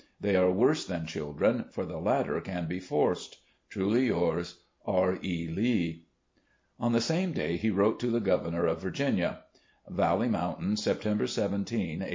They are worse than (^dren, for the latter can be forced. ... "Truly yours, "R. E. Lee." On the same day he wrote to the Governor of Vii^;inia : "Valley Mountain, September 17, 1861.